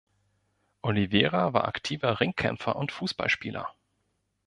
Oliveira war aktiver Ringkämpfer und Fußballspieler.